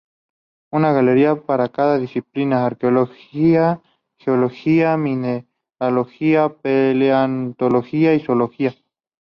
Una galería para cada disciplina, arqueología, geología, mineralogía, paleontología y zoología.